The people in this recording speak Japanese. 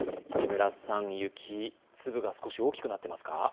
市村さん、雪、粒が少し大きくなっていますか？